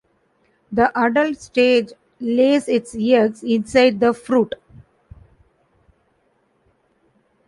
The adult stage lays its eggs inside the fruit.